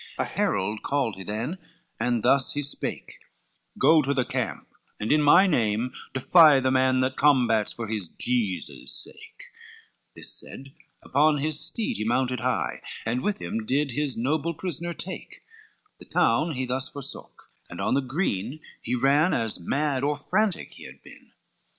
A herald called he then, and thus he spake; "Go to the camp, and in my name, defy The man that combats for his Jesus' sake;" This said, upon his steed he mounted high, And with him did his noble prisoner take, The town he thus forsook, and on the green He ran, as mad or frantic he had been.